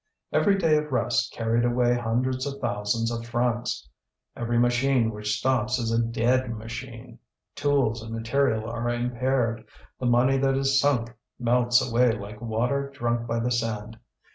Every day of rest carried away hundreds of thousands of francs. Every machine which stops is a dead machine. Tools and material are impaired, the money that is sunk melts away like water drunk by the sand.